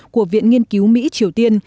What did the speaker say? của viện nghiên cứu mỹ triều tiên